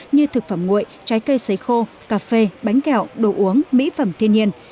như thực phẩm nguội trái cây xấy khô cà phê bánh kẹo đồ uống mỹ phẩm thiên nhiên